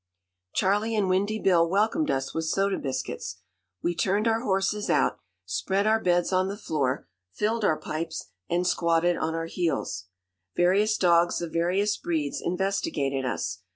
Charley and Windy Bill welcomed us with soda biscuits. We turned our horses out, spread our beds on the floor, filled our pipes, and squatted on our heels. Various dogs of various breeds investigated us.